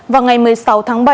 vào ngày một mươi sáu tháng bảy